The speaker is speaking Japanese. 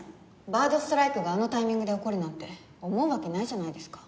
バードストライクがあのタイミングで起こるなんて思うわけないじゃないですか。